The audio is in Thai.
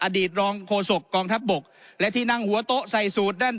อดีตรองโฆษกองทัพบกและที่นั่งหัวโต๊ะใส่สูตรด้าน